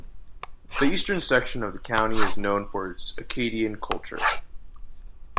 The eastern section of the county is known for its Acadian culture.